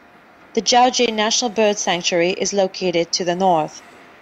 The Djoudj National Bird Sanctuary is located to the north.